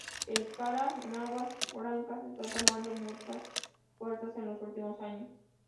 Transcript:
El kayak en Aguas Blancas está tomando muchas fuerza en los últimos años.